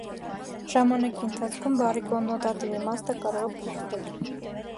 Ժամանակի ընթացքում բառի կոննոտատիվ իմաստը կարող է փոխվել։